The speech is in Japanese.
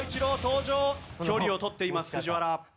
距離を取っています藤原。